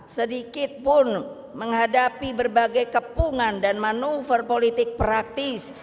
sedikitpun menghadapi berbagai kepungan dan manuver politik praktis